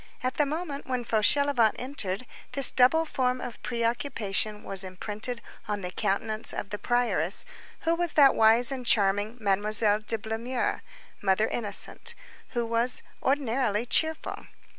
At the moment when Fauchelevent entered, this double form of preoccupation was imprinted on the countenance of the prioress, who was that wise and charming Mademoiselle de Blemeur, Mother Innocente, who was ordinarily cheerful.